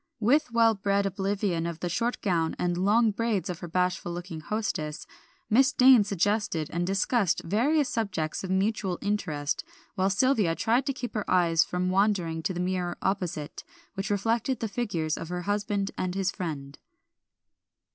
With well bred oblivion of the short gown and long braids of her bashful looking hostess, Miss Dane suggested and discussed various subjects of mutual interest, while Sylvia tried to keep her eyes from wandering to the mirror opposite, which reflected the figures of her husband and his friend.